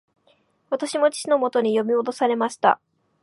私も父のもとに呼び戻されました